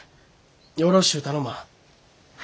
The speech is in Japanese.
よろしゅう頼まあ。